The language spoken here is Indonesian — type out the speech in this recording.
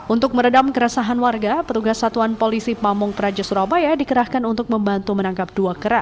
untuk meredam keresahan warga petugas satuan polisi pamung praja surabaya dikerahkan untuk membantu menangkap dua kera